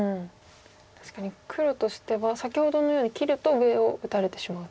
確かに黒としては先ほどのように切ると上を打たれてしまうと。